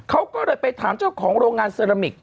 เขาก็เลยไปถามเจ้าของโรงงานเซรามิก